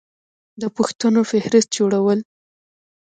د پوښتنو فهرست جوړول